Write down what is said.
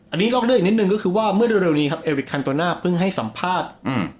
อันนี้ลอกเลือกอีกนิดนึงก็คือว่าเมื่อเร็วนี้เอริกคันตัวหน้าเพิ่งให้สัมภาษณ์